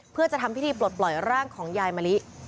เพื่อจะทำพิธีปลดปล่อยร่างของยายมะลิ